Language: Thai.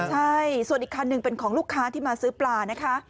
ใช่ส่วนอีกคันหนึ่งเป็นของลูกค้าที่มาซื้อปลานะคะ